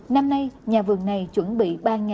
năm nay nhà vườn này chuẩn bị